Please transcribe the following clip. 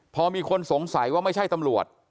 พอมีคนสงสัยว่าไม่ใช่ตำรวจ